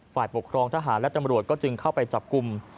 ฝ่ายปกครองทหารและตำรวจก็จึงเข้าไปจับกลุ่ม